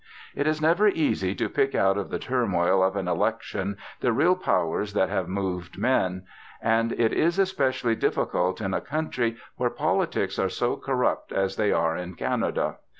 It is never easy to pick out of the turmoil of an election the real powers that have moved men; and it is especially difficult in a country where politics are so corrupt as they are in Canada.